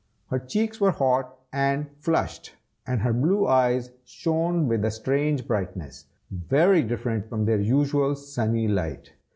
Her cheeks were hot and flushed, and her blue eyes shone with a strange brightness, very different from their usual sunny light.